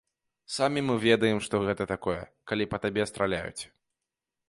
Самі мы ведаем, што гэта такое, калі па табе страляюць.